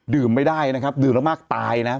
ดื่มไม่ได้นะครับดื่มแล้วมากตายนะครับ